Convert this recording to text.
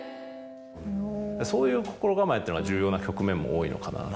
そういう心構えが重要な局面も多いのかなと。